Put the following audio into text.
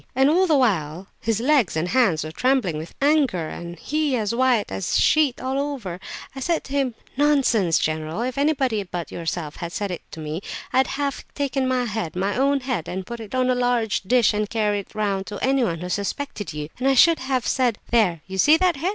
And all the while his legs and hands were trembling with anger, and he as white as a sheet all over! So I said to him, 'Nonsense, general; if anybody but yourself had said that to me, I'd have taken my head, my own head, and put it on a large dish and carried it round to anyone who suspected you; and I should have said: "There, you see that head?